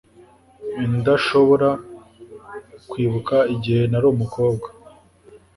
indashobora kwibuka igihe nari umukobwa